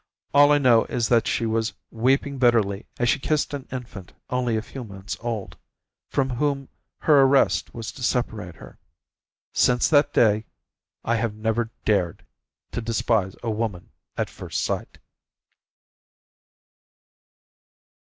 All I know is that she was weeping bitterly as she kissed an infant only a few months old, from whom her arrest was to separate her. Since that day I have never dared to despise a woman at first sight.